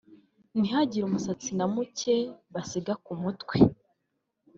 ntihagire umusatsi na muke basiga ku mutwe